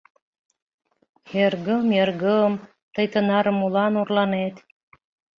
«Эргым... эргым, тый тынаре молан орланет?